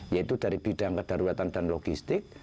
yaitu dari bidang kedaruratan dan logistik